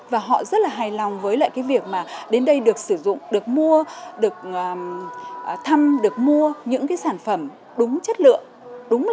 và họ rất là hài lòng với lại cái việc mà đến đây được sử dụng được mua được thăm được mua những cái sản phẩm đúng chất lượng